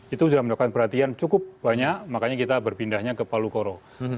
itu sudah mendapatkan perhatian cukup banyak makanya kita berpindahnya ke palu koro